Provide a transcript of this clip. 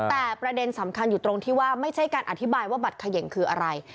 แต่ประเด็นสำคัญอยู่ตรงที่ว่าไม่ใช่การอธิบายว่าบัตรเขย่งคืออะไร